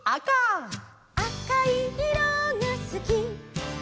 「あかいいろがすき」